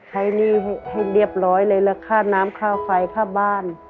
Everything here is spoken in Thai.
หนี้ให้เรียบร้อยเลยแล้วค่าน้ำค่าไฟค่าบ้าน